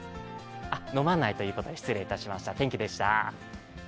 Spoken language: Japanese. あっ、飲まないということで失礼いたしました。